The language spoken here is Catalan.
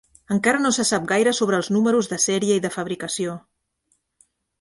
Encara no se sap gaire sobre els números de sèrie i de fabricació